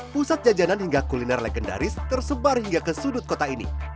pusat jajanan hingga kuliner legendaris tersebar hingga ke sudut kota ini